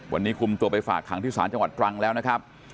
วันนี้คุมตัวไปฝากขังที่ศาลจังหวัดตรังแล้วนะครับ